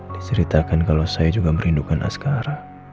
diceritakan kalau saya juga merindukan askara